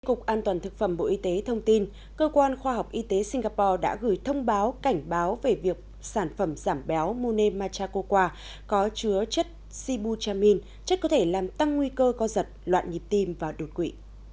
cục an toàn thực phẩm bộ y tế thông tin cơ quan khoa học y tế singapore đã gửi thông báo cảnh báo về việc sản phẩm giảm béo mune machakokwa có chứa chất sibu chamin chất có thể làm tăng nguy cơ có giật loạn nhịp tim và đột quỵ